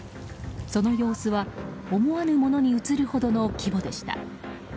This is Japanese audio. その様子は思わぬものに映るほどの規模でした。